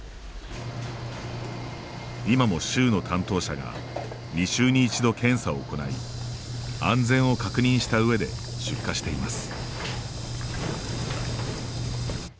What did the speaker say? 今も州の担当者が２週に一度、検査を行い安全を確認したうえで出荷しています。